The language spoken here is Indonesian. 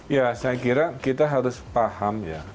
ya saya kira kita harus paham ya